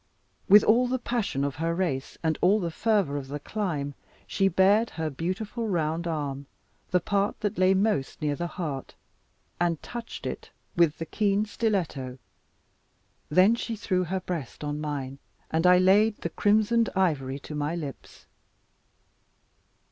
With all the passion of her race, and all the fervour of the clime, she bared her beautiful round arm, the part that lay most near the heart and touched it with the keen stiletto, then she threw her breast on mine, and I laid the crimsoned ivory on my lips.